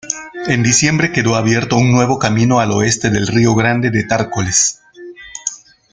En diciembre quedó abierto un nuevo camino al oeste del río Grande de Tárcoles.